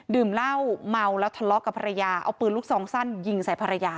ดื่มเหล้าเมาแล้วทะเลาะกับภรรยาเอาปืนลูกซองสั้นยิงใส่ภรรยา